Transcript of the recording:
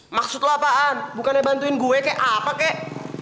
maksud lo apaan bukannya bantuin gue kek apa kek